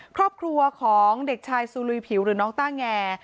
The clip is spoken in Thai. ครอบครัวของเด็กชายซูลุยผิวหรือน้องต้าแง